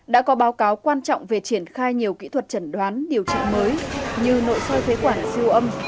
đã có báo cáo quan trọng về triển khai nhiều kỹ thuật trần đoán điều trị mới như nội soi phế quản siêu âm